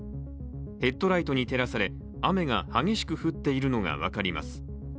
ヘッドライトに照らされ、雨が激しく降っているのが分かります。